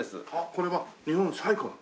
これは日本最古の？